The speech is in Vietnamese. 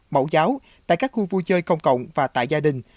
mẫu giáo tại các khu vui chơi công cộng và tại gia đình